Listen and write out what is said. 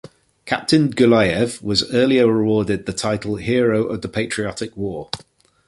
Captain Guliyev was earlier awarded the title of Hero of the Patriotic War.